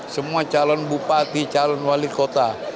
semua calon bupati calon wali kota